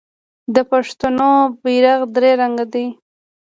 د پښتنو بیرغ درې رنګه دی.